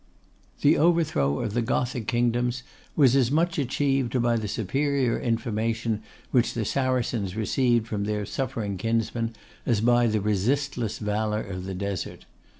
The overthrow of the Gothic kingdoms was as much achieved by the superior information which the Saracens received from their suffering kinsmen, as by the resistless valour of the Desert.